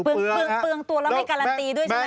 เปลืองตัวแล้วไม่การันตีด้วยใช่ไหม